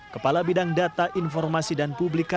kepala bidang data informasi dan publikasi